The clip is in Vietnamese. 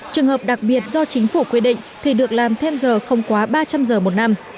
trường hợp đặc biệt do chính phủ quy định thì được làm thêm giờ không quá ba trăm linh giờ một năm